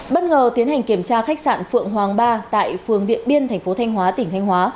bất ngờ tiến hành kiểm tra khách sạn phượng hoàng ba tại phường điện biên thành phố thanh hóa tỉnh thanh hóa